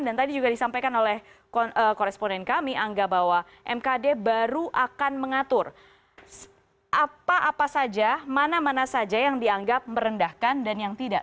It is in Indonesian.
dan tadi juga disampaikan oleh koresponen kami anggap bahwa mkd baru akan mengatur apa apa saja mana mana saja yang dianggap merendahkan dan yang tidak